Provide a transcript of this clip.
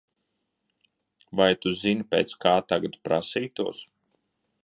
Vai tu zini pēc kā tagad prasītos?